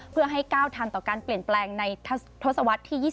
เพื่อให้ก้าวทันต่อการเปลี่ยนแปลงในทศวรรษที่๒๐